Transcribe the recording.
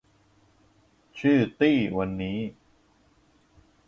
ชื่อตี้วันนี้